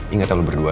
ingat ya lo berdua